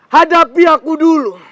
hadapi aku dulu